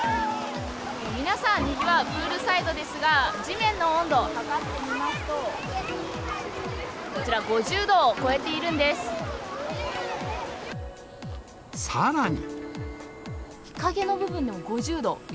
皆さんにぎわうプールサイドですが、地面の温度、測ってみますと、こちら５０度を超えているさらに。